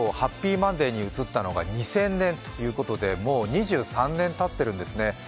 マンデーに移ったのが２０００年ということでもう２３年たっているんですね。